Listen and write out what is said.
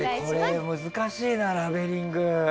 これ難しいなラベリング。